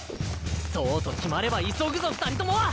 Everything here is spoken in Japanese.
そうと決まれば急ぐぞ二人とも！